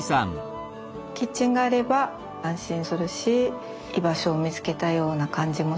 キッチンがあれば安心するし居場所を見つけたような感じもするし。